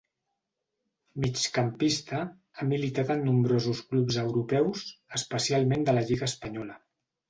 Migcampista, ha militat en nombrosos clubs europeus, especialment de la lliga espanyola.